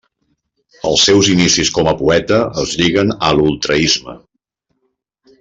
Els seus inicis com a poeta es lliguen a l'ultraisme.